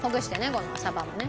このサバもね。